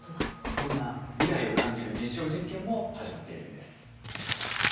そんな未来を感じる実証実験も始まっているんです。